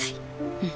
うん。